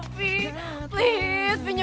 bikin aku tertadanya